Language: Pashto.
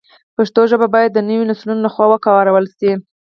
پښتو ژبه باید د نویو نسلونو له خوا وکارول شي.